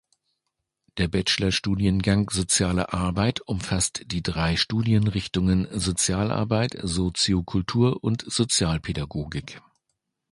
Der Bachelor-Studiengang Soziale Arbeit umfasst die drei Studienrichtungen Sozialarbeit, Soziokultur und Sozialpädagogik.